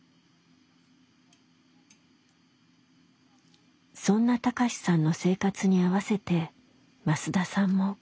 そんな貴志さんの生活に合わせて増田さんも暮らしています。